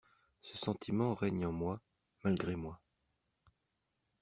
Ce sentiment règne en moi, malgré moi.